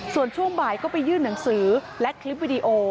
ส่วนช่วงบ่ายก็ไปยื่นหนังสือและคลิปวิดีโอ